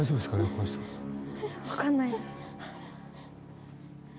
この人分かんないです